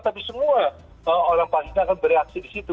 tapi semua orang palestina akan bereaksi di situ